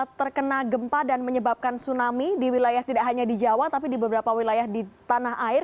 yang terkena gempa dan menyebabkan tsunami di wilayah tidak hanya di jawa tapi di beberapa wilayah di tanah air